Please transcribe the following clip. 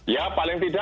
ya paling tidak